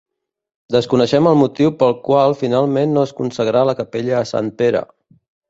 Desconeixem el motiu pel qual finalment no es consagrà la capella a Sant Pere.